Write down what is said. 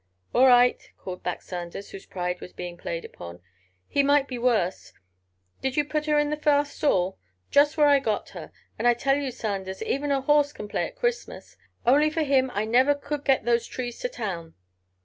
"All right," called back Sanders, whose pride was being played upon. "He might be worse. Did you put her in the far stall?" "Just where I got her. And I tell you, Sanders, even a horse can play at Christmas. Only for him I never could get those trees to town."